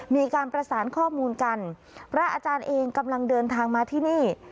มีการประสานข้อมูลกันพระอาจารย์เองกำลังเดินทางมาที่นี่